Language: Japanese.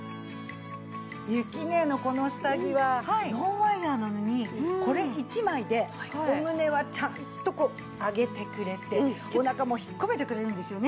ゆきねえのこの下着はノンワイヤなのにこれ１枚でお胸はちゃんとこう上げてくれてお腹も引っ込めてくれるんですよね。